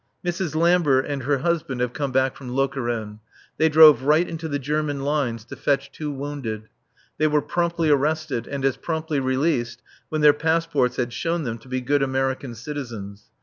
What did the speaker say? Mrs. Lambert and her husband have come back from Lokeren. They drove right into the German lines to fetch two wounded. They were promptly arrested and as promptly released when their passports had shown them to be good American citizens.